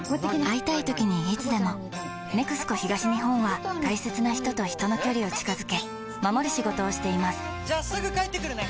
会いたいときにいつでも「ＮＥＸＣＯ東日本」は大切な人と人の距離を近づけ守る仕事をしていますじゃあすぐ帰ってくるね！